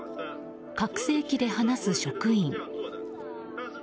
拡声器で話す職員。